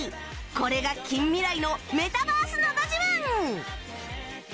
これが近未来のメタバースのど自慢